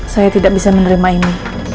saya tidak bisa menerima ini